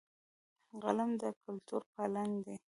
قلم د کلتور پالن دی